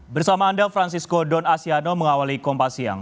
bersama anda francisco don asyano mengawali kompas siang